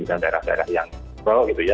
daerah daerah yang pro gitu ya